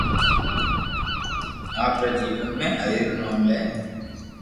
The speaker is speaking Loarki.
آپري جيون ۾ ھري ري نوم لي